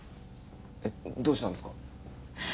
えっどうしたんですか？